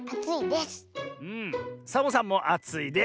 サボさんもあついです。